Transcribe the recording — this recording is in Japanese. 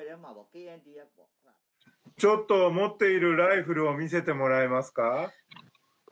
ちょっと持っているライフルを見せてもらえますか